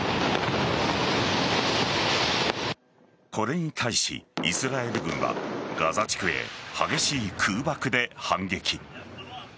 これに対しイスラエル軍はガザ地区へ激しい空爆で反撃。